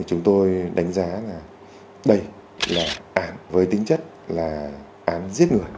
chúng tôi đánh giá là đây là án với tính chất là án giết người